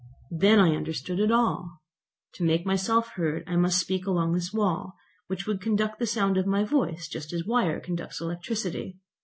Then I understood it all. To make myself heard, I must speak along this wall, which would conduct the sound of my voice just as wire conducts electricity.